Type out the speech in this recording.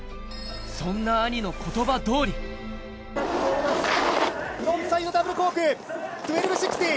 そんな兄の言葉通りフロントサイドダブルコーク１２６０。